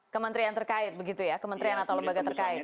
kementerian terkait begitu ya kementerian atau lembaga terkait